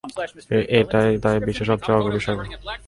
এটি তাই বিশ্বের সবচেয়ে অগভীর সাগর।